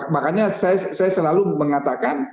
makanya saya selalu mengatakan